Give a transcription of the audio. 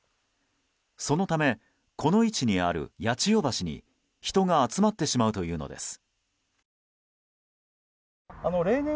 そのため、この位置にある八千代橋に人が集まってしまうというのです。